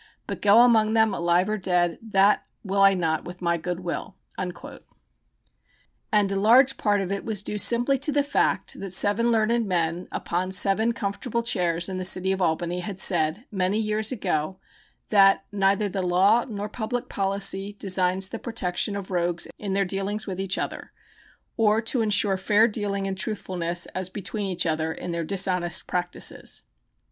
But go among them alive or dead, that will I not with my good will." And a large part of it was due simply to the fact that seven learned men upon seven comfortable chairs in the city of Albany had said, many years ago, that "neither the law or public policy designs the protection of rogues in their dealings with each other, or to insure fair dealing and truthfulness as between each other, in their dishonest practices."